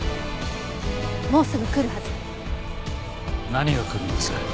何が来るんです？